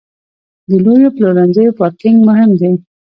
د لویو پلورنځیو پارکینګ مهم دی.